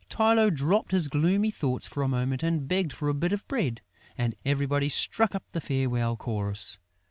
Tylô dropped his gloomy thoughts for a moment and begged for a bit of bread; and everybody struck up the farewell chorus.